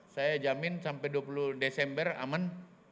saya jamin sampai dua puluh desember aman